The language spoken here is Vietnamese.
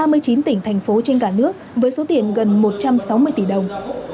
ba mươi chín tỉnh thành phố trên cả nước với số tiền gần một trăm sáu mươi tỷ đồng